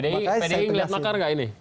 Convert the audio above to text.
pdi ngeliat makar gak ini